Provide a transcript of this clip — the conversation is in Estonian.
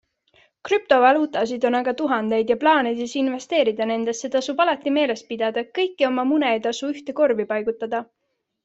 Krüptovaluutasid on aga tuhandeid ja plaanides investeerida nendesse, tasub alati meeles pidada, et kõiki oma mune ei tasu ühte korvi paigutada.